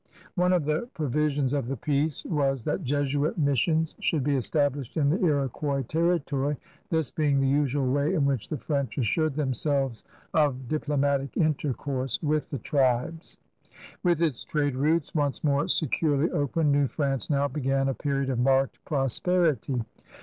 One of the provisions of the peace was 78 CRUSADERS OF NEW FRANCE that Jesuit missions should be established in the Iroquois territory, this being the usual way in which the French assured themselves of diplomatic intercourse with the tribes. With its trade routes once more securely open, New France now b^an a period of marked prosperity.